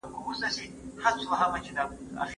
هغه خپل موبایل په چارجر پورې په بېړه وتړلو.